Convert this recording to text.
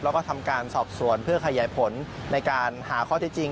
แล้วก็ทำการสอบสวนเพื่อขยายผลในการหาข้อเท็จจริง